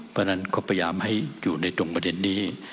เพราะฉะนั้นก็พยายามให้อยู่ในตรงประเด็นนี้